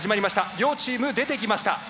両チーム出てきました。